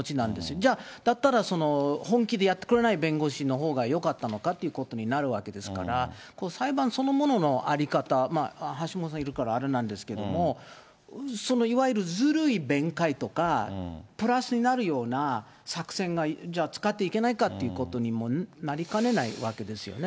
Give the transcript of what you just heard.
じゃあ、だったら本気でやってくれない弁護士のほうがよかったのかということになるわけですから、裁判そのものの在り方、まあ、橋下さんいるからあれなんですけれども、いわゆるずるい弁解とか、プラスになるような作戦が、じゃあ使っていけないかということにもなりかねないわけですよね。